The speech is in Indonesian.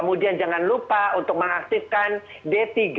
kemudian jangan lupa untuk mengaktifkan d tiga